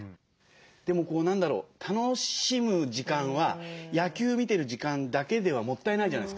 でも何だろう楽しむ時間は野球見てる時間だけではもったいないじゃないですか。